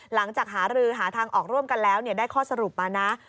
หลังจากหารือหาทางออกร่วมกันแล้วได้ข้อสรุปมานะ